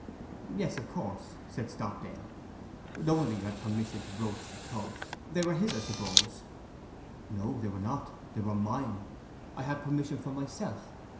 'Yes, of course,' said Stockdale. 'No wonder you had permission to broach the tubs—they were his, I suppose?' 'No, they were not—they were mine; I had permission from myself.